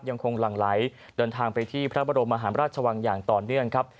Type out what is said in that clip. หลั่งไหลเดินทางไปที่พระบรมมหาราชวังอย่างต่อเนื่องครับ